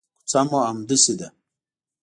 کوڅه مو همداسې ده.